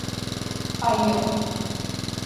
А и он.